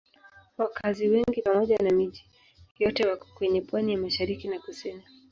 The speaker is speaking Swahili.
Wakazi wengi pamoja na miji yote wako kwenye pwani ya mashariki na kusini.